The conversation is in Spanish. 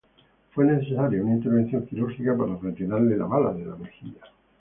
Fue necesaria una intervención quirúrgica para retirarle la bala de la mejilla.